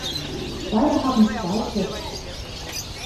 Beide haben zwei Töchter.